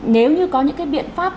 nếu như có những cái biện pháp